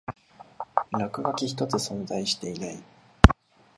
落書き一つ存在していない